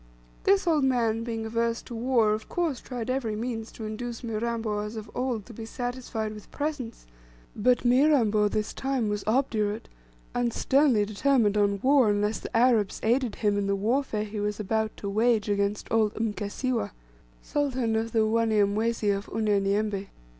This old man, being averse to war, of course tried every means to induce Mirambo as of old to be satisfied with presents; but Mirambo this time was obdurate, and sternly determined on war unless the Arabs aided him in the warfare he was about to wage against old Mkasiwa, sultan of the Wanyamwezi of Unyanyembe.